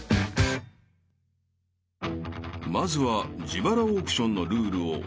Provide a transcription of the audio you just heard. ［まずは自腹オークションのルールをおさらい］